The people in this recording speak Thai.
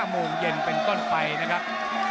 โมงเย็นเป็นต้นไปนะครับ